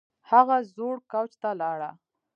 هغه زوړ کوچ ته لاړه